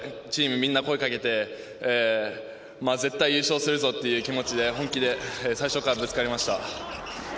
みんな声をかけて絶対優勝するぞって気持ちで本気で最初からぶつかりました。